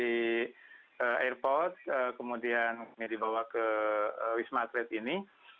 di airport kemudian dibawa ke wisma atlet ini